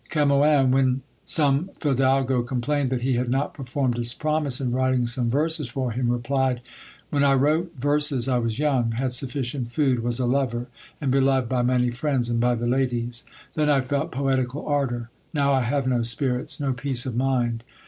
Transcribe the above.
Camöens, when some fidalgo complained that he had not performed his promise in writing some verses for him, replied, "When I wrote verses I was young, had sufficient food, was a lover, and beloved by many friends and by the ladies; then I felt poetical ardour: now I have no spirits, no peace of mind.